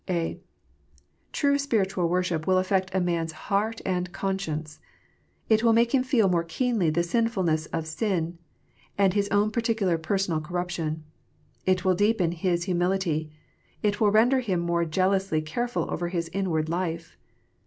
(a) True spiritual worship will affect a man s heart and con science. It will make him feel more keenly the sinfulness of sin, and his own particular personal corruption. It will deepen his humility. It will render him more jealously careful over his inward life.